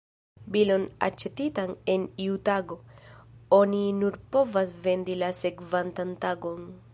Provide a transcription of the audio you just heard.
Bilon aĉetitan en iu tago, oni nur povas vendi la sekvantan tagon.